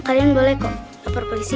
kalian boleh kok lapor polisi